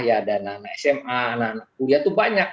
ya ada anak sma anak kuliah itu banyak